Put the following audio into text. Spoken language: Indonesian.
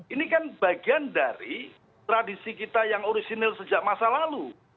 ini kan bagian dari tradisi kita yang orisinil sejak masa lalu